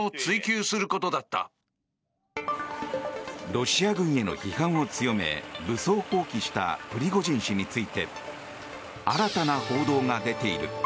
ロシア軍への批判を強め武装蜂起したプリゴジン氏について新たな報道が出ている。